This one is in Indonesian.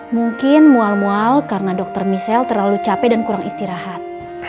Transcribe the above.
mungkin mual mual karena dokter michelle terlalu capek dan kurang istirahat